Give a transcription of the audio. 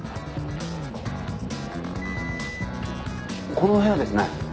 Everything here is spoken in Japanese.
この部屋ですね。